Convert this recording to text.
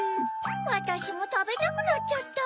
わたしもたべたくなっちゃった。